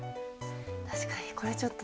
確かにこれちょっと。